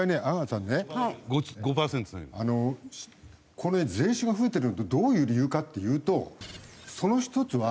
これ税収が増えてるのってどういう理由かっていうとその１つは。